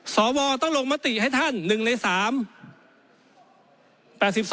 สวต้องลงมติให้ท่าน๑ใน๓